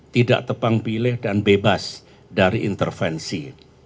tidak tepang pilih dan bebas dari intervensi